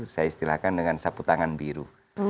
saya istilahkan dengan sapu tangan biru